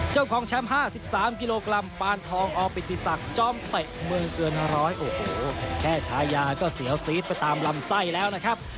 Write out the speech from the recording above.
เจ้าของแชมป์๕๓กิโลกรัมปานทองอปิติศักดิ์จ้องเตะเมืองเกินร้อยโอ้โหแค่ชายาก็เสียวซีดไปตามลำไส้แล้วนะครับ